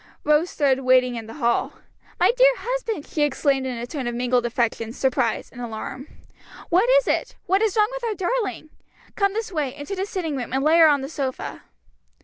Rose stood waiting in the hall. "My dear husband!" she exclaimed in a tone of mingled affection, surprise, and alarm. "What is it? what is wrong with our darling? Come this way, into the sitting room, and lay her on the sofa."